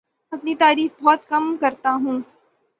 اپنی تعریف بہت کم کرتا ہوں